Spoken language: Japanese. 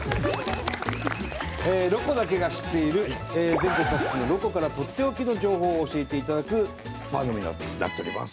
全国各地のロコからとっておきの情報を教えていただく番組になっております。